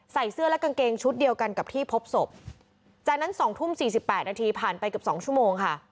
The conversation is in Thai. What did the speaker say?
ใส่เสื้อและกางเกงชุดเดียวกันกับที่พบศพจากนั้นสองทุ่มสี่สิบแปดนาทีผ่านไปเกือบสองชั่วโมงค่ะ